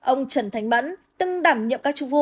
ông trần thành bẫn từng đảm nhiệm các chư vụ